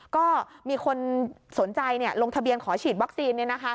ก็มีคนสนใจลงทะเบียนขอฉีดวัคซีน